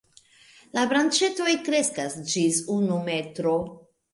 La branĉetoj kreskas ĝis unu metro.